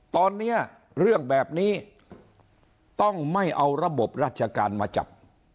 ตอนนี้เรื่องแบบนี้ต้องไม่เอาระบบราชการมาจับ